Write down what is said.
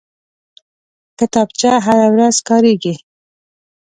کتابچه هره ورځ کارېږي